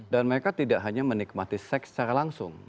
dan mereka tidak hanya menikmati seks secara langsung